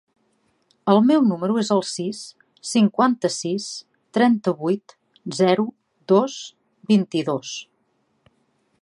El meu número es el sis, cinquanta-sis, trenta-vuit, zero, dos, vint-i-dos.